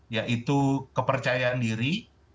yaitu kepercayaan diri